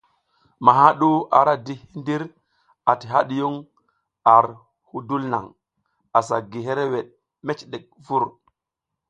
Maha ɗu ara di hindir ati hadiyun ar hudul naŋ, asa gi hereweɗ meciɗek vur.